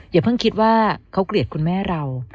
อย่าเพิ่งคิดว่าเขาเกลียดคุณแม่เรา